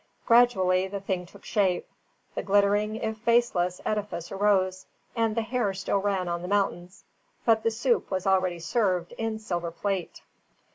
Gradually the thing took shape; the glittering if baseless edifice arose; and the hare still ran on the mountains, but the soup was already served in silver plate.